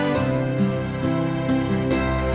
ilike yang mesti dulu deh